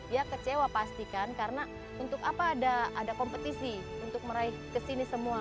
ya kecewa pasti kan karena untuk apa ada kompetisi untuk meraih kesini semua